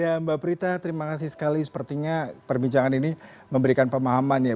ya mbak prita terima kasih sekali sepertinya perbincangan ini memberikan pemahaman ya